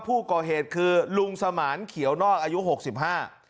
ผู้ก่อเหตุคือลุงสมานเขียวนอกอายุหกสิบห้า